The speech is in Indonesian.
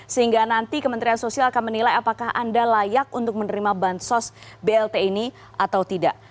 sehingga nanti kementerian sosial akan menilai apakah anda layak untuk menerima bansos blt ini atau tidak